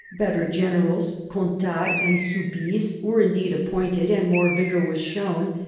Better generals, Contades and Soubise, were indeed appointed and more vigour was shown.